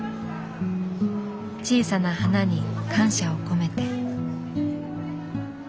小さな花に感謝を込めて。